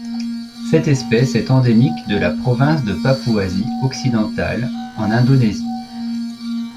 Cette espèce est endémique de la province de Papouasie occidentale en Indonésie.